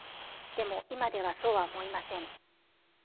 でも今ではそうは思いません」。